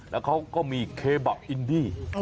แล้วก็มีเคบอบอินดี